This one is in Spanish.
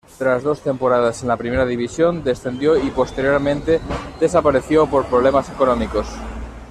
Tras dos temporadas en la primera división, descendió y posteriormente desapareció por problemas económicos.